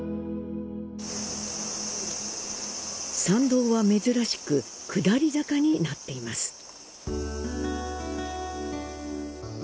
参道は珍しく下り坂になっています。